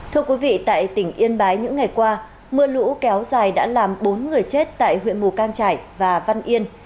thưa quý vị tại tỉnh yên bái những ngày qua mưa lũ kéo dài đã làm bốn người chết tại huyện mù cang trải và văn yên